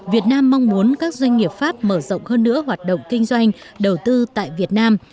việt nam mong muốn các doanh nghiệp pháp mở rộng hơn nữa hoạt động kinh doanh đầu tư tại việt nam